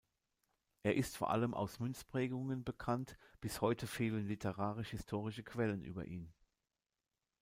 Er ist vor allem aus Münzprägungen bekannt, bis heute fehlen literarisch-historische Quellen über ihn.